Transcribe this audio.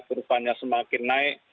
kurupannya semakin naik